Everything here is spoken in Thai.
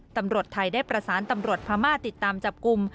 ตำรวจไทยได้ประสานตำรวจพม่าติดตามจับกลุ่ม